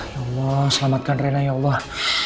ya allah selamatkan rena ya allah